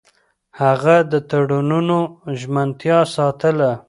هغه د تړونونو ژمنتيا ساتله.